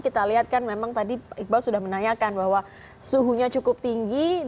kita lihat kan memang tadi iqbal sudah menanyakan bahwa suhunya cukup tinggi